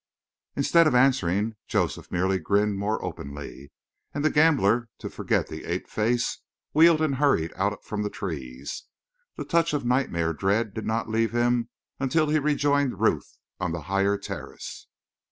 Instead of answering, Joseph merely grinned more openly, and the gambler, to forget the ape face, wheeled and hurried out from the trees. The touch of nightmare dread did not leave him until he rejoined Ruth on the higher terrace.